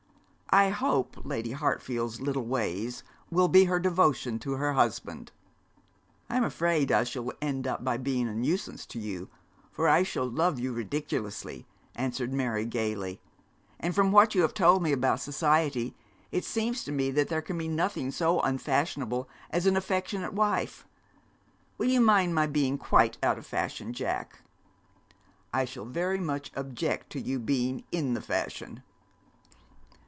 I hope Lady Hartfield's little way will be her devotion to her husband.' 'I'm afraid I shall end by being a nuisance to you, for I shall love you ridiculously,' answered Mary, gaily; 'and from what you have told me about society, it seems to me that there can be nothing so unfashionable as an affectionate wife. Will you mind my being quite out of fashion, Jack?' 'I should very much object to your being in the fashion.'